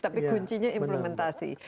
tapi kuncinya implementasi